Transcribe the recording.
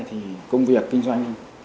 thì công việc kinh doanh